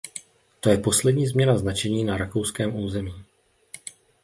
To je poslední změna značení na rakouském území.